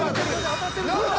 当たってる！